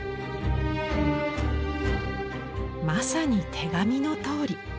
まさに手紙のとおり。